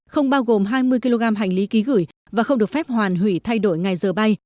không bao gồm hai mươi kg hành lý ký gửi và không được phép hoàn hủy thay đổi ngày giờ bay